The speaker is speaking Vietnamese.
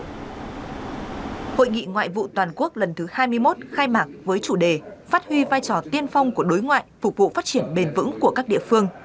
hội nghị ngoại vụ toàn quốc lần thứ hai mươi một khai mạc với chủ đề phát huy vai trò tiên phong của đối ngoại phục vụ phát triển bền vững của các địa phương